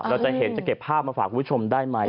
เราจะเห็นจะเก็บภาพมาฝากคุณผู้ชมได้ไหม